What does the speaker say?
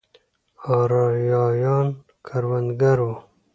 ارایایان کروندګر وو.